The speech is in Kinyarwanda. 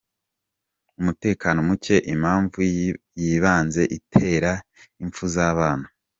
Umutekano muke, impamvu y’ibanze itera impfu z’abana :.